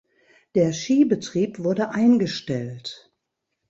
Der Skibetrieb wurde eingestellt.